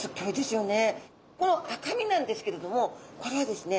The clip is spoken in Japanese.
この赤身なんですけれどもこれはですね